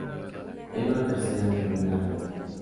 Hay una tercera que mira al norte.